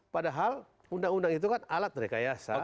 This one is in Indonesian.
padahal undang undang itu kan alat rekayasa